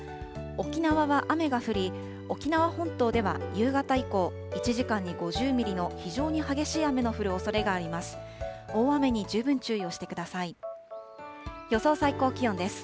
沖縄は雨が降り、沖縄本島では夕方以降、１時間に５０ミリの非常に激しい雨の降るおそれがあります。